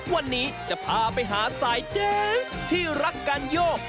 วันนี้จะพาไปหาสายแดนส์ที่รักการโยก